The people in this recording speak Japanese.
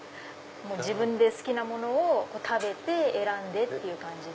自分で好きなものを食べて選んでっていう感じで。